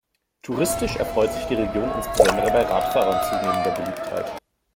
Touristisch erfreut sich die Region insbesondere bei Radfahrern zunehmender Beliebtheit.